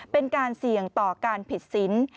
เป็นการเสี่ยงต่อการผิดสิน